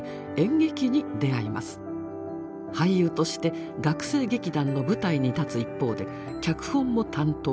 俳優として学生劇団の舞台に立つ一方で脚本も担当。